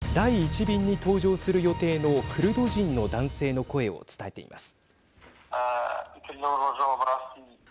イギリスＢＢＣは第１便に搭乗する予定のクルド人の男性の声を伝えています。